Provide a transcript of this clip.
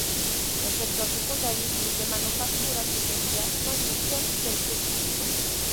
El sector secundario incluye manufactura, minería, construcción, y servicios públicos.